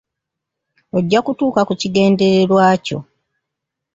Ojja kutuuka ku kigendererwa kyo.